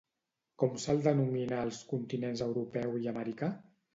Com se'l denomina als continents europeu i americà?